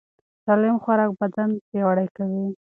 سالم خوراک بدن پیاوړی کوي.